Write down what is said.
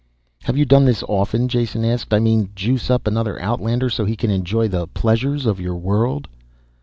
"Have you done this often?" Jason asked. "I mean juice up an outlander so he can enjoy the pleasures of your world?"